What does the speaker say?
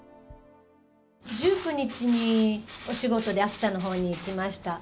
１９日に、お仕事で秋田のほうに行きました。